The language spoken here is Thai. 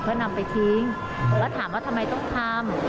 เพื่อนำไปทิ้งแล้วถามว่าทำไมต้องทำ